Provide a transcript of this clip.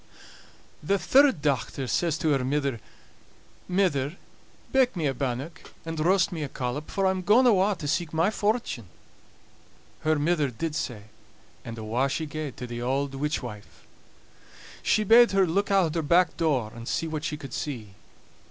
The third dochter says to her mither: "Mither, bake me a bannock, and roast me a collop, for I'm gaun awa' to seek my fortune." Her mither did sae; and awa' she gaed to the auld witch wife. She bade her look out o' her back door, and see what she could see.